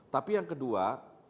tapi yang kedua